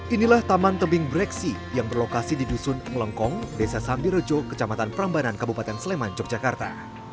inilah taman tebing breksi yang berlokasi di dusun ngelengkong desa sambil rejo kecamatan prambanan kabupaten sleman yogyakarta